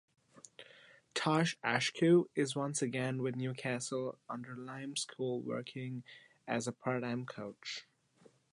Tosh Ashkew is once again with Newcastle-under-Lyme School working as a part-time coach.